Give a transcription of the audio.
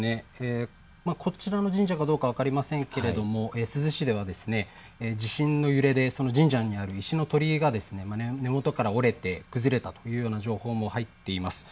こちらの神社かどうか分かりませんが珠洲市では地震の揺れで神社にある石の鳥居が根元から折れて崩れたというような情報も入っています。